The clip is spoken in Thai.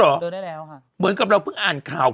เจอได้แล้วค่ะเหมือนกับเราเพิ่งอ่านข่าว